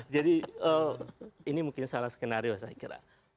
ini mungkin salah skenario saya kira